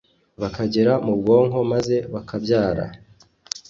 bukagera mu bwonko maze bukabyara